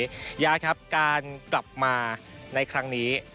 ยาครับการกลับมาในครั้งนี้